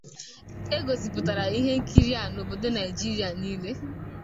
E gosipụtara ihe nkiri a n'obodo Nigeria niile..